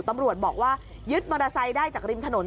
ตำรวจบอกว่ายึดมอเตอร์ไซค์ได้จากริมถนน